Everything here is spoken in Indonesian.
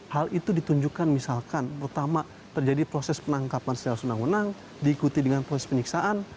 hal itu ditunjukkan misalkan terjadi proses penangkapan senarai senang senang diikuti dengan proses penyiksaan